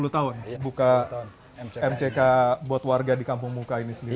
sepuluh tahun buka mck buat warga di kampung muka ini sendiri